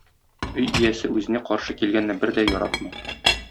Өй иясе үзенә каршы килгәнне бер дә яратмый.